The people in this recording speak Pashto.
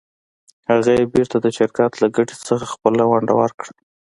هغه یې بېرته د شرکت له ګټې څخه خپله ونډه ورکړه.